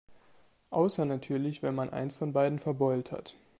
Außer natürlich, wenn man eins von beiden verbeult hat.